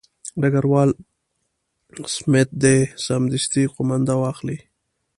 ډګروال سمیت دې سمدستي قومانده واخلي.